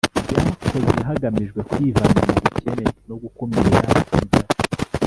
byakozwe hagamijwe kwivana mu bukene no gukumira inzara